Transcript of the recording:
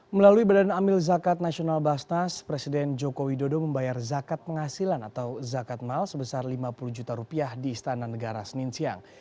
melalui badan amil zakat nasional basnas presiden joko widodo membayar zakat penghasilan atau zakat mal sebesar lima puluh juta rupiah di istana negara senin siang